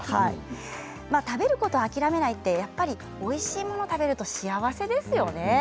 食べることを諦めないというのはやっぱりおいしいものを食べると幸せですよね。